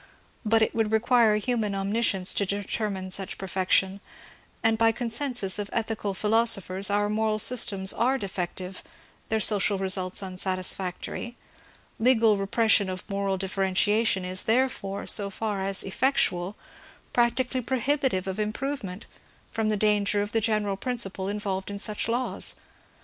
But it would require human omniscience to determine such perfection ; and by consensus of ethical philo sophers our mor^ systems are defective, their social results unsatisfactory: legal repression of moral differentiation is therefore, so far as effectual, practically prohibitive of im provement, from the danger of the general principle involved in such laws.